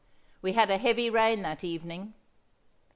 We had a heavy rain that evening.